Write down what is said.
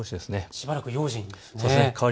しばらく用心ですね。